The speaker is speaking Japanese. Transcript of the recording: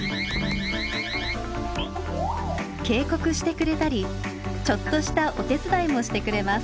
警告してくれたりちょっとしたお手伝いもしてくれます。